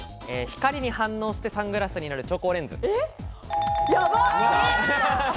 光に反応してサングラスになる調光レンズ。